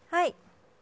はい。